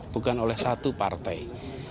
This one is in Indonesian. bukan oleh satu partai